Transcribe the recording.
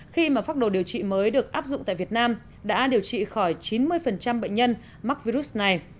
khi mà pháp đồ điều trị mới được áp dụng tại việt nam đã điều trị khỏi chín mươi bệnh nhân mắc virus này